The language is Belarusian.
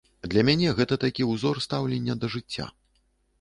Для мяне гэта такі ўзор стаўлення да жыцця.